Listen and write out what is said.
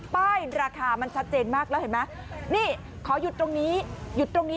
ป้ายราคามันชัดเจนมากแล้วเห็นไหมนี่ขอหยุดตรงนี้หยุดตรงนี้